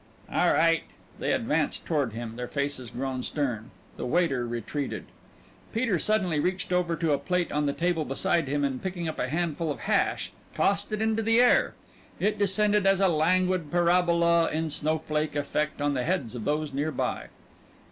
"All right." They advanced toward him, their faces grown stern. The waiter retreated. Peter suddenly reached over to a plate on the table beside him and picking up a handful of hash tossed it into the air. It descended as a languid parabola in snowflake effect on the heads of those near by.